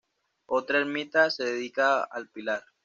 Otra ermita se dedica al Pilar.